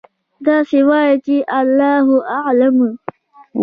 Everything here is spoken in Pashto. داسې وایئ چې: الله أعلم.